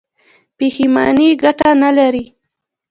پښیماني ګټه نلري.